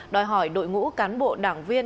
đòi hỏi đội ngũ cán bộ đảng viên